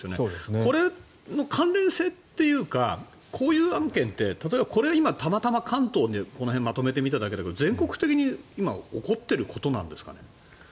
この関連性というかこういう案件って例えば、これ、たまたま関東この辺をまとめて見ただけだけど全国的に、今起こってることなんですかね。